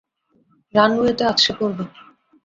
রানওয়েতে আছড়ে পড়বে।